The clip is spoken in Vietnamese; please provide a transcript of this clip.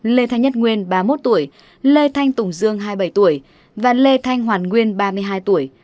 lê thanh nhất nguyên ba mươi một tuổi lê thanh tùng dương hai mươi bảy tuổi và lê thanh hoàn nguyên ba mươi hai tuổi